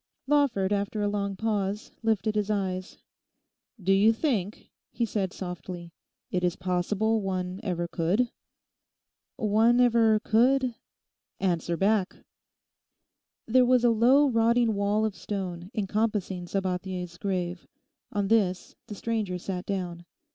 Lawford, after a long pause, lifted his eyes. 'Do you think,' he said softly, 'it is possible one ever could?' '"One ever could?"' 'Answer back?' There was a low rotting wall of stone encompassing Sabathier's grave; on this the stranger sat down.